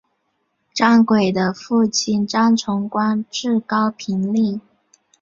张轨的父亲张崇官至高平令。